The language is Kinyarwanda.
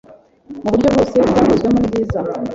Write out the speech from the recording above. Muburyo bwose byakozwemo ni byiza